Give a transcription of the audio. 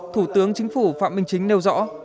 thủ tướng chính phủ phạm minh chính nêu rõ